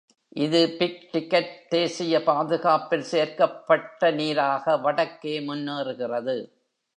. இது big ticket தேசிய பாதுகாப்பில் சேர்க்கப்பட்ட நீராக வடக்கே முன்னேறுகிறது.